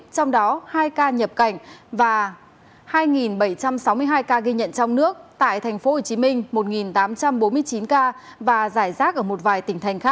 trong đó hai ca nhập cảnh và hai bảy trăm sáu mươi hai ca ghi nhận trong nước tại tp hcm một tám trăm bốn mươi chín ca và giải rác ở một vài tỉnh thành khác